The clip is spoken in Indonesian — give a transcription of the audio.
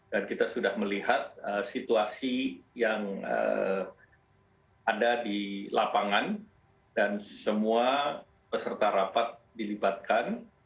dan kita sudah melihat situasi yang ada di lapangan dan semua peserta rapat dilibatkan